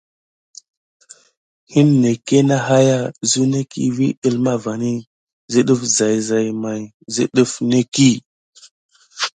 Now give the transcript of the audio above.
Hine ké na haya zuneki vi əlma vani zə ɗəf zayzay may zə ɗəf nekiy.